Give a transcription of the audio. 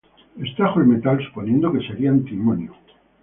Extrajo el metal suponiendo que sería antimonio.